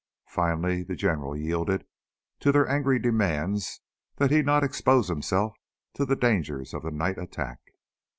Finally the General yielded to their angry demands that he not expose himself to the danger of the night attack.